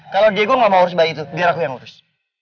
kalau diego gak mau urus bayi itu biar aku yang ngurus